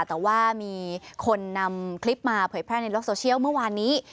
แต่ว่ามีคนนำคลิปมาเผยแพร่ในโลกโซเชียลเมื่อวานนี้